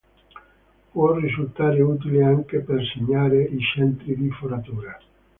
Può risultare utile anche per segnare i centri di foratura.